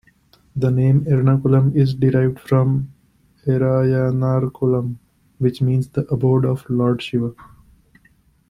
The name "Ernakulam" is derived from "Erayanarkulam" which means the abode of Lord Shiva.